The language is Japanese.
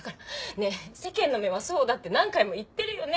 ねえ世間の目はそうだって何回も言ってるよね？